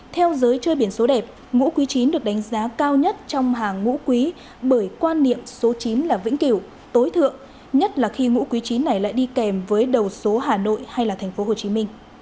theo giới chơi biển số đẹp ngũ quý chín được đánh giá cao nhất trong hàng ngũ quý bởi quan niệm số chín là vĩnh kiểu tối thượng nhất là khi ngũ quý chín này lại đi kèm với đầu số hà nội hay là tp hcm